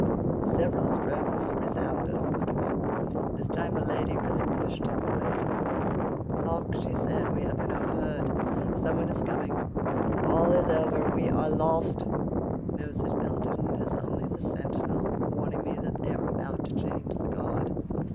Several strokes resounded on the door; this time Milady really pushed him away from her. "Hark," said she, "we have been overheard! Someone is coming! All is over! We are lost!" "No," said Felton; it is only the sentinel warning me that they are about to change the guard."